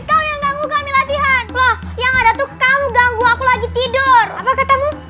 kamu yang ganggu kami latihan loh yang ada tuh kamu ganggu aku lagi tidur apa katamu